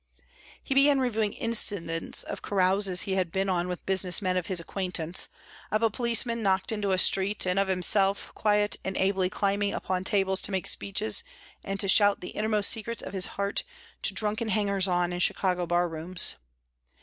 He began reviewing incidents of carouses he had been on with business men of his acquaintance, of a policeman knocked into a street and of himself, quiet and ably climbing upon tables to make speeches and to shout the innermost secrets of his heart to drunken hangers on in Chicago barrooms.